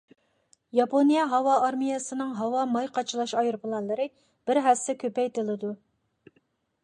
ياپونىيە ھاۋا ئارمىيەسىنىڭ ھاۋا ماي قاچىلاش ئايروپىلانلىرى بىر ھەسسە كۆپەيتىلىدۇ.